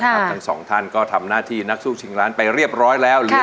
ทั้งสองท่านก็ทำหน้าที่นักสู้ชิงล้านไปเรียบร้อยแล้วเหลือ